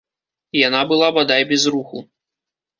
Яна была бадай без руху.